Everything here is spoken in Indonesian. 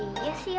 iya sih ya